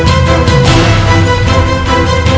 saya sedang di rumah